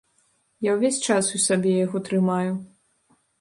Я ўвесь час у сабе яго трымаю.